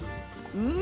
うん。